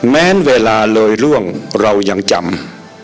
แม้เวลาเลยร่วงเรายังจำ